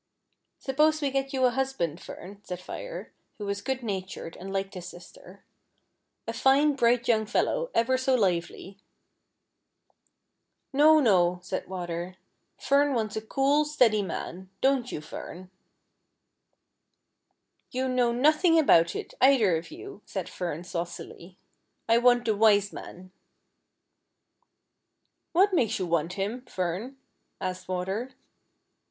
" Suppose we get you a husband. Fern," said Fire, who was good natured, and liked his sister, " a fine bright young fellow, ever so lively .'*"*' No, no," said Water ;" Fern wants a cool, steady man ; don't you, Fern ?" "You know nothing about it, either of you," said Fern saucily ;" I want the Wise Man." "What makes you want him, Fern ">." asked Water.